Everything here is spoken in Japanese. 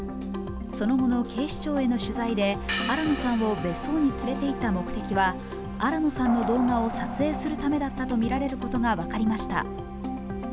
その後の警視庁への取材で新野さんを別荘に連れていった目的は新野さんの動画を撮影するためだったことが分かりました。